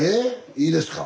いいですか？